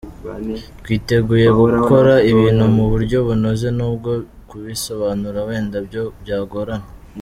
Twiteguye gukora ibintu mu buryo bunoze n’ubwo kubisobanura wenda byo byagorana.